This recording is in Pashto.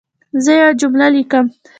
زه یوه جمله لیکم.